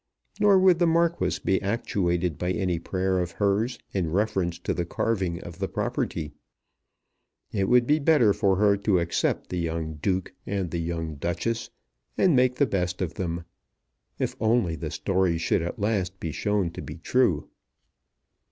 Nor would the Marquis be actuated by any prayer of hers in reference to the carving of the property. It would be better for her to accept the young Duke and the young Duchess, and make the best of them. If only the story should at last be shown to be true!